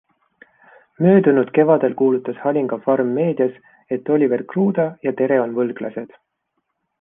Möödunud kevadel kuulutas Halinga farm meedias, et Oliver Kruuda ja Tere on võlglased.